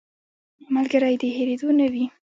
ملګری د هېرېدو نه وي